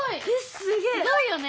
すごいよね！